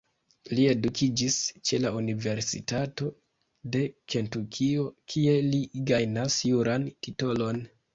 Li edukiĝis ĉe la Universitato de Kentukio kie li gajnas juran titolon.